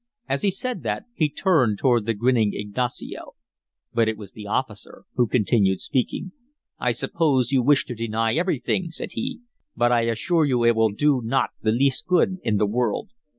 As he said that, he turned toward the grinning Ignacio. But it was the officer who continued speaking. "I suppose you wish to deny everything," said he. "But I assure you it will do not the least good in the world."